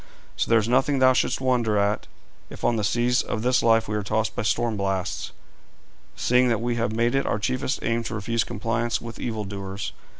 So there is nothing thou shouldst wonder at, if on the seas of this life we are tossed by storm blasts, seeing that we have made it our chiefest aim to refuse compliance with evil doers.